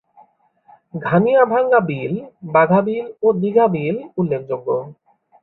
ঘানিয়াভাঙ্গা বিল, বাঘা বিল ও দীঘা বিল উল্লেখযোগ্য।